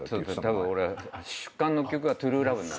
たぶん俺出棺の曲が『ＴＲＵＥＬＯＶＥ』になる。